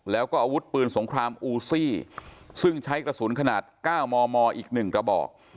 แล้วก็อาวุธปืนสงครามอูซี่ซึ่งใช้กระสุนขนาด๙มมอีก๑กระบอก